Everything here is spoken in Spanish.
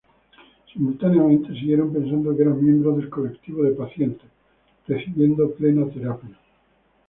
Simultáneamente, siguieron pensando que eran miembros del Colectivo de Pacientes, recibiendo plena terapia.